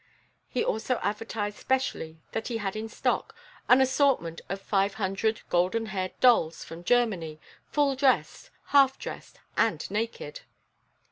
He also advertised specially that he had in stock, "an assortment of 500 golden haired dolls from Germany, full dressed, half dressed, and naked."